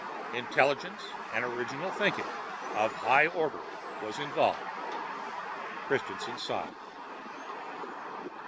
Intelligence and original thinking of a high order was involved." Christianson sighed.